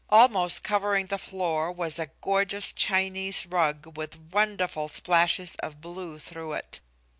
Almost covering the floor was a gorgeous Chinese rug with wonderful splashes of blue through it.